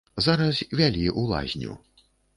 Зараз вялі ў лазню.